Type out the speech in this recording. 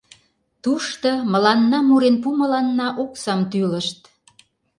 Тушто мыланна мурен пуымыланна оксам тӱлышт.